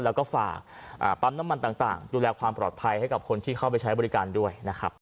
แล้วก็ฝากปั๊มน้ำมันต่างดูแลความปลอดภัยให้กับคนที่เข้าไปใช้บริการด้วยนะครับ